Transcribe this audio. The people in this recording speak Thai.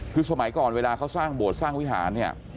คือสมัยก่อนเวลาเขาสร้างโบสถสร้างวิหารเนี่ย